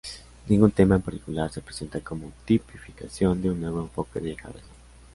Ningún tema en particular se presenta como tipificación de un nuevo enfoque de Harrison.